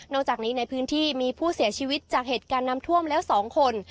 จากนี้ในพื้นที่มีผู้เสียชีวิตจากเหตุการณ์น้ำท่วมแล้ว๒คน